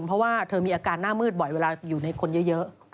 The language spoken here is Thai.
เพราะว่าเธอมีอาการหน้ามืดบ่อยเวลาอยู่ในคนเยอะ